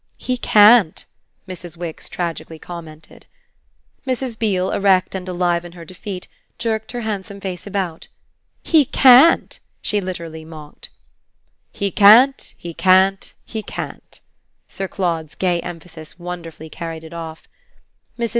"He can't!" Mrs. Wix tragically commented. Mrs. Beale, erect and alive in her defeat, jerked her handsome face about. "He can't!" she literally mocked. "He can't, he can't, he can't!" Sir Claude's gay emphasis wonderfully carried it off. Mrs.